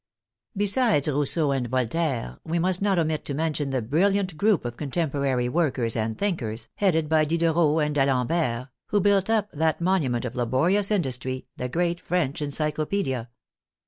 Besides Rousseau and Voltaire, we must not omit to mention the brilliant group of contemporary workers and thinkers, headed by Diderot and D*Alembert, who built up that monument of laborious industry, the great French Encyclopaedia.